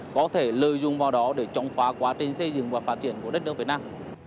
có thể lợi dụng vào đó để chống phá quá trình xây dựng và phát triển của đất nước việt nam